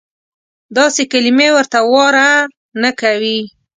داسې کلیمې ورته واره نه کوي.